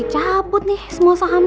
makan dulu el siapin